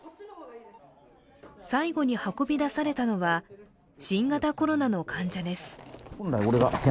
最後に運び出されたのは新型コロナの患者です。